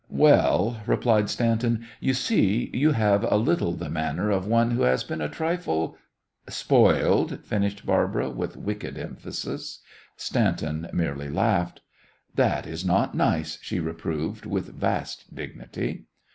"Well," replied Stanton, "you see, you have a little the manner of one who has been a trifle " "Spoiled!" finished Barbara, with wicked emphasis. Stanton merely laughed. "That is not nice," she reproved, with vast dignity.